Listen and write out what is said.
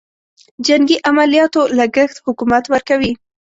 جنګي عملیاتو لګښت حکومت ورکوي.